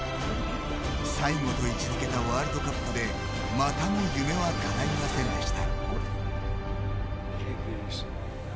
最後と位置付けたワールドカップでまたも夢はかないませんでした。